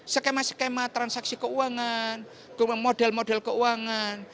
skema skema transaksi keuangan model model keuangan